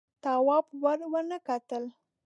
تواب ور ونه کتل.